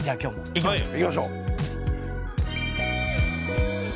行きましょう。